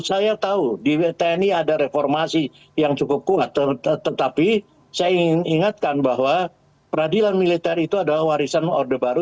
saya tahu di tni ada reformasi yang cukup kuat tetapi saya ingin ingatkan bahwa peradilan militer itu adalah warisan orde baru